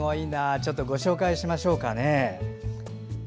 ちょっとご紹介しましょう。